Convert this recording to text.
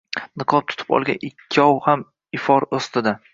niqob tutib olgan ikkov ham ifor ostida